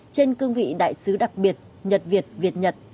trên cương vị đại sứ đặc biệt nhật việt việt nhật